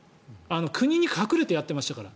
国に隠れてやってましたから。